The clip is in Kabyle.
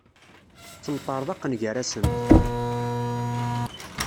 Ttemṭerḍaqen gar-asent.